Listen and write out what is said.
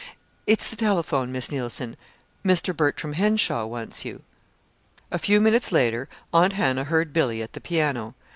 "It's the telephone, Miss Neilson. Mr. Bertram Henshaw wants you." A few minutes later Aunt Hannah heard Billy at the piano.